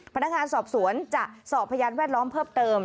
พนักงานสอบสวนจะสอบพยานแวดล้อมเพิ่มเติม